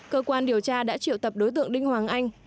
cơ quan điều tra đã triệu tập đối tượng đinh hoàng anh